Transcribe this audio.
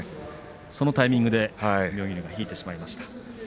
そのタイミングで妙義龍が引いてしまいました。